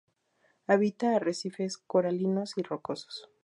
Habita arrecifes coralinos y rocosos.